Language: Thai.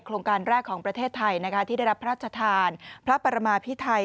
โครงการแรกของประเทศไทยที่ได้รับพระราชทานพระปรมาพิไทย